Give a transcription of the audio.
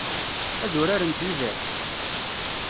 Ad urarent yid-s?